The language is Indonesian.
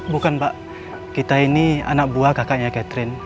bukan pak kita ini anak buah kakaknya catherine